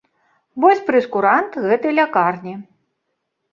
Вось прэйскурант гэтай лякарні.